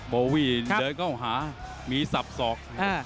โบวี่เดินเข้าหามีสับสอก